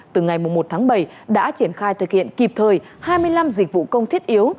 từ ngày một tháng bảy đã triển khai thực hiện kịp thời hai mươi năm dịch vụ công thiết yếu